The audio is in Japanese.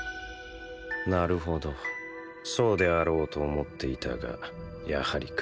なるほどそうであろうと思っていたがやはりか。